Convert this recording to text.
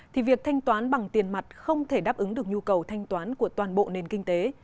thì việc thanh toán bằng tiền mặt không thể đáp ứng được nhu cầu thanh toán của toàn bộ nền kinh tế